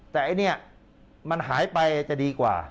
แต่มันหายไปจะดีกว่า